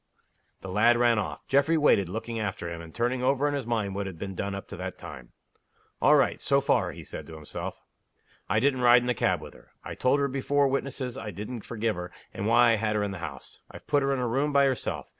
The lad ran off. Geoffrey waited, looking after him, and turning over in his mind what had been done up to that time. "All right, so far," he said to himself. "I didn't ride in the cab with her. I told her before witnesses I didn't forgive her, and why I had her in the house. I've put her in a room by herself.